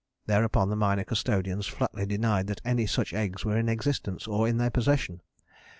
Thereupon the minor custodians flatly denied that any such eggs were in existence or in their possession.